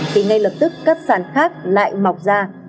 thì ngay lập tức các sản khác lại mọc ra